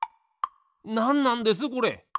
なんなんですこれ？